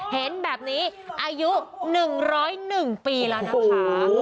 เห็นแบบนี้อายุ๑๐๑ปีแล้วนะคะ